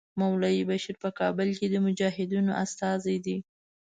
مولوي بشیر په کابل کې د مجاهدینو استازی دی.